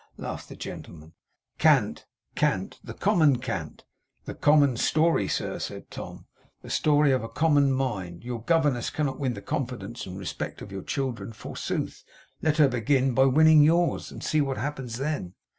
laughed the gentleman. 'Cant! cant! The common cant!' 'The common story, sir!' said Tom; 'the story of a common mind. Your governess cannot win the confidence and respect of your children, forsooth! Let her begin by winning yours, and see what happens then.